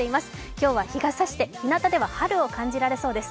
今日は日がさして、ひなたでは春を感じられそうです。